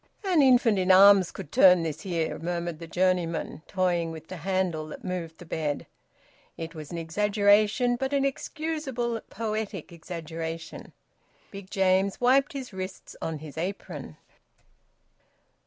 "An infant in arms could turn this here," murmured the journeyman, toying with the handle that moved the bed. It was an exaggeration, but an excusable, poetical exaggeration. Big James wiped his wrists on his apron.